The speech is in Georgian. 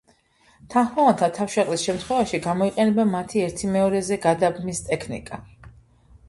თანხმოვანთა თავშეყრის შემთხვევაში გამოიყენება მათი ერთიმეორეზე გადაბმის ტექნიკა.